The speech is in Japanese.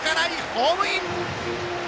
ホームイン！